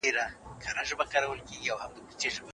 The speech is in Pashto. ما پخوا لا له خپلو اشتباهاتو څخه درس اخیستی و.